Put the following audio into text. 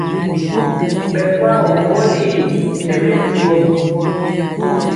Ɓɛ kwagɔ ŋgolli nɛ mɛdivɔ.